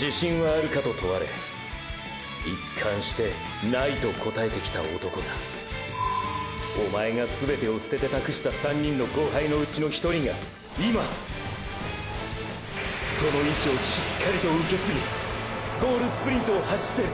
自信はあるかと問われ一貫して“ない”と答えてきた男がおまえが全てを捨てて託した３人の後輩のうちの１人が今その意志をしっかりと受け継ぎゴールスプリントを走ってる！！